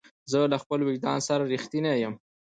زه له خپل وجدان سره رښتینی یم.